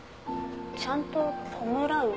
ちゃんと弔う？